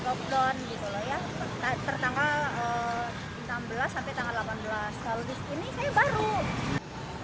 kalau disini saya baru